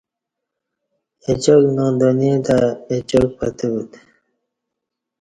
اچاک نادانی تہ اچاک پتہ بوتہ